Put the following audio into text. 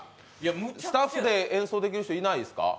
スタッフで演奏できる人いないですか？